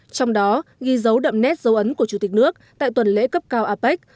trong đó ghi dấu đậm nét dấu ấn của chủ tịch nước tại tuần lễ cấp cao apec